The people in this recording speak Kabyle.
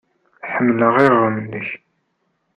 Ḥemmleɣ iɣrem-nnek.